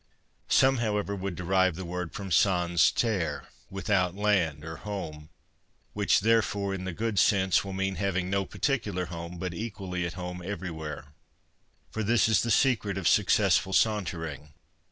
Some, however, would derive the word from sans terre, without land or a home, which, therefore, in the good sense, will mean having no particular home, but equally at home everywhere. For this is the secret of successful sauntering.